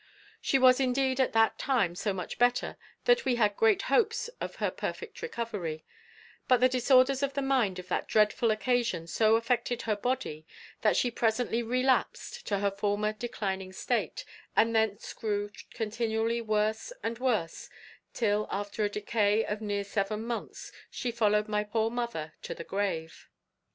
She was indeed at that time so much better, that we had great hopes of her perfect recovery; but the disorders of her mind on that dreadful occasion so affected her body, that she presently relapsed to her former declining state, and thence grew continually worse and worse, till, after a decay of near seven months, she followed my poor mother to the grave.